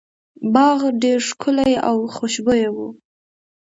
باغ ډیر ښکلی او خوشبويه و.